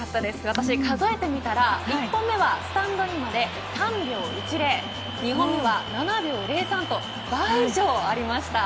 数えてみたら１本目は、スタンドインまで３秒１０２本目は７秒０３と倍以上ありました。